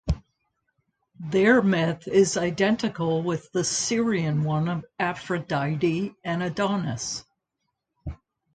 Their myth is identical with the Syrian one of Aphrodite and Adonis.